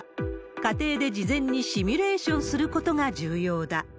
家庭で事前にシミュレーションすることが重要だ。